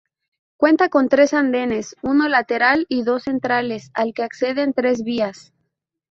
Cuenta con tres andenes, uno lateral y dos centrales al que acceden tres vías.